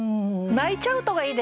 「泣いちゃうと」がいいですよね。